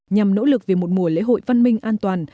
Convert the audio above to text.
nhằm nỗ lực về một mùa lễ hội văn minh an toàn